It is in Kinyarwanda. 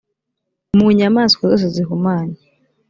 mu nyamaswa zose zihumanye